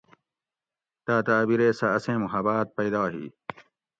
تاۤتہۤ اۤ بیرے سہۤ اسیں محباۤت پیدا ہی